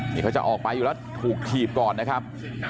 นี่เขาจะออกไปอยู่แล้วถูกถีบก่อนนะครับ